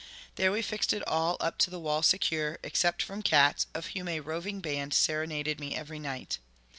There we fixed it all up to the wall secure, except from cats, of whom a roving band serenaded me every night.